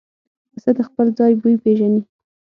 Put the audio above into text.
پسه د خپل ځای بوی پېژني.